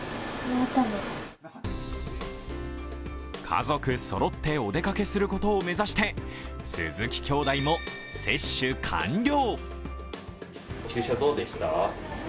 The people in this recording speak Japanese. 家族そろってお出かけすることを目指して、鈴木兄妹も接種完了。